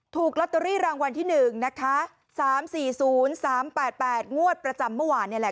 ถูกลอตเตอรี่รางวัลที่๑นะคะ๓๔๐๓๘๘งวดประจำเมื่อวานนี่แหละ